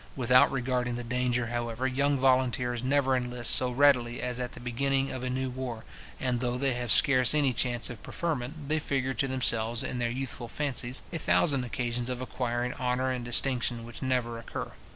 Without regarding the danger, however, young volunteers never enlist so readily as at the beginning of a new war; and though they have scarce any chance of preferment, they figure to themselves, in their youthful fancies, a thousand occasions of acquiring honour and distinction which never occur.